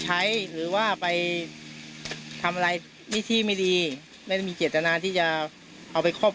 ใช้หรือว่าไปทำอะไรวิธีไม่ดีไม่ได้มีเจตนาที่จะเอาไปครอบ